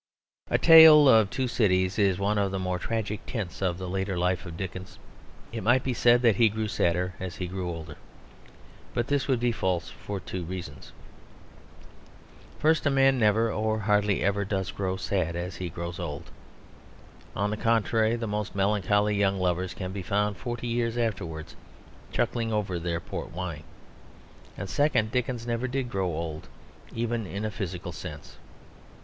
A Tale of Two Cities is one of the more tragic tints of the later life of Dickens. It might be said that he grew sadder as he grew older; but this would be false, for two reasons. First, a man never or hardly ever does grow sad as he grows old; on the contrary, the most melancholy young lovers can be found forty years afterwards chuckling over their port wine. And second, Dickens never did grow old, even in a physical sense.